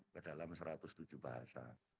ke dalam satu ratus tujuh bahasa